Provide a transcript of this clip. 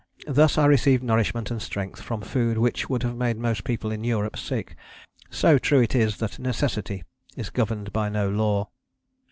Thus I received nourishment and strength, from food which would have made most people in Europe sick: so true it is that necessity is governed by no law."